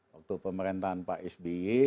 waktu pemerintahan pak hby